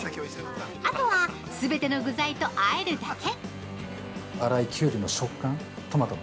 あとはすべての具材とあえるだけ。